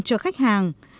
cho khách hàng